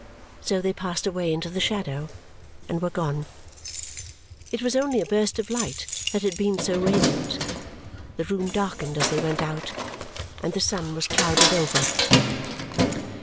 So they passed away into the shadow and were gone. It was only a burst of light that had been so radiant. The room darkened as they went out, and the sun was clouded over.